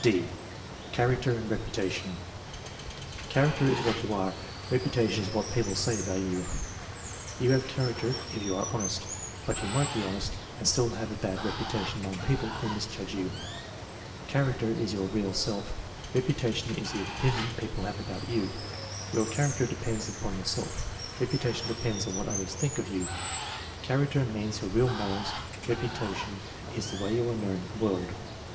(d) Character and reputation. *' Character is what you are; rep utation is what people say about you." "You have character if you are honest; but you might be honest and still have a bad rep utation among people who misjudge you." "Character is your real self; reputation is the opinion people have about you." "Your character depends upon yourself; reputation depends on what others think of you." "Character means your real morals; repu tation is the way you are known in the world."